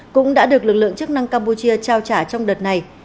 cũng đã được lực lượng chức năng campuchia trao trả trong đợt này